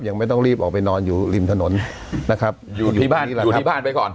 ยังไม่ต้องรีบออกไปนอนอยู่ริมถนนนะครับอยู่ที่บ้านทีหลังอยู่ที่บ้านไปก่อน